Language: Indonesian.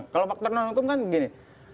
kalau faktor non hukum kan gini